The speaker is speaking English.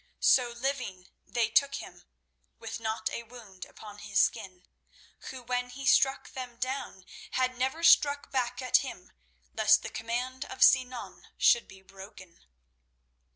So living they took him, with not a wound upon his skin, who when he struck them down, had never struck back at him lest the command of Sinan should be broken.